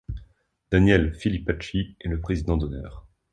Daniel Filipacchi est le président d'honneur.